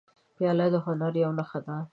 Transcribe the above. پیاله د هنر یوه نښه ده.